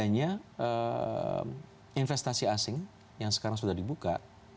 dan adanya investasi asing yang sekarang sudah dibuka